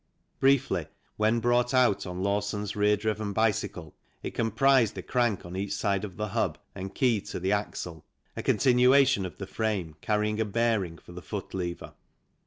Briefly, when brought out on Lawson 's rear driven bicycle, it comprised a crank on each side of the hub and keyed to the axle, EARLY HISTORY AND ORIGIN OF THE BICYCLE 13 a continuation of the frame carrying a bearing for the foot lever.